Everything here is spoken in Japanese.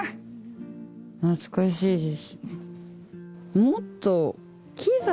懐かしいです。